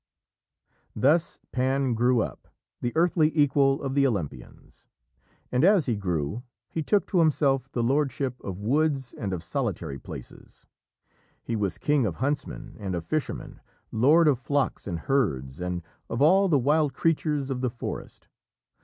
Thus Pan grew up, the earthly equal of the Olympians, and, as he grew, he took to himself the lordship of woods and of solitary places. He was king of huntsmen and of fishermen, lord of flocks and herds and of all the wild creatures of the forest.